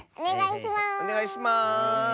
おねがいします！